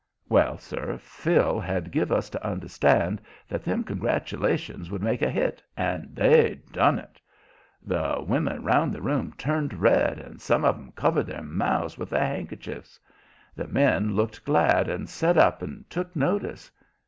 Well, sir, Phil had give us to understand that them congratulations would make a hit, and they done it. The women 'round the room turned red and some of 'em covered their mouths with their handkerchiefs. The men looked glad and set up and took notice.